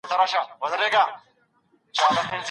ایا اسلام موږ ته د خير او شر مقايسه راښوولې ده؟